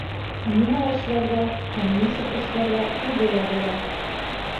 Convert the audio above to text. Нимә эшләргә һәм нисек эшләргә үҙе лә белә